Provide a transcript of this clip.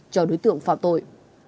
cho đối tượng phạm tội